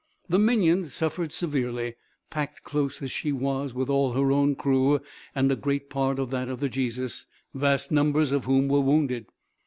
"The Minion suffered severely, packed close as she was with all her own crew, and a great part of that of the Jesus, vast numbers of whom were wounded.